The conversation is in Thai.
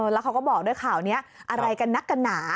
แล้วเขาก็บอกด้วยข่าวนี้อะไรกันนักกันหนา